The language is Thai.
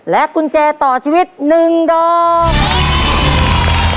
กุญแจต่อชีวิต๑ดอก